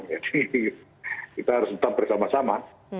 jadi kita harus tetap bersama sama